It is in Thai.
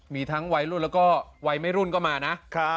มีทั้งวัยรุ่นแล้วก็วัยไม่รุ่นก็มานะ